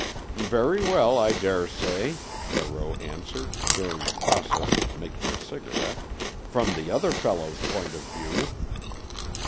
"Very well, I dare say," Barreau answered, during the process of making a cigarette, "from the other fellow's point of view."